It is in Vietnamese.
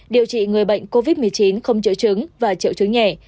điều trị người bệnh covid một mươi chín không triệu chứng và triệu chứng nhẹ